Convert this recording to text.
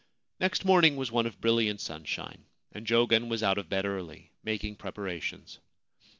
Next morning was one of brilliant sunshine, and Jogen was out of bed early, making preparations.